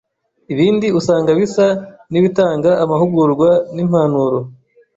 ibindi usanga bisa n’ibitanga amahugurwa n’impanuro